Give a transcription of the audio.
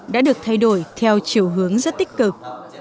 đã được thay đổi theo chiều hướng rất tích cực